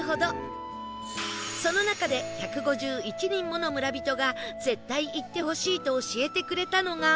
その中で１５１人もの村人が絶対行ってほしいと教えてくれたのが